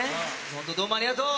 本当どうもありがとう！